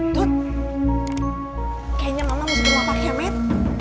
dud kayaknya mama masih berumah pak kemen